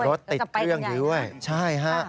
รถติดเครื่องอยู่ด้วยใช่ฮะ